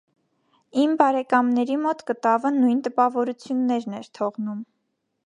Իմ բարեկամների մոտ կտավը նույն տպավորություններն էր թողնում։